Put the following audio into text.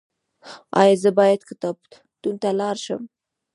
ایا زه باید کتابتون ته لاړ شم؟